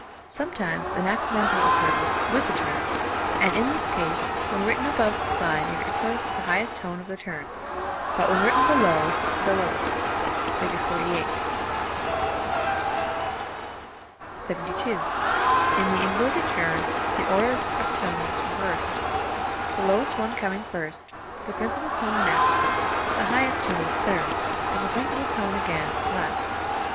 Sometimes an accidental occurs with the turn, and in this case when written above the sign it refers to the highest tone of the turn, but when written below, to the lowest (Fig. 48). [Illustration: Fig. 48.] 72. In the inverted turn the order of tones is reversed, the lowest one coming first, the principal tone next, the highest tone third, and the principal tone again, last.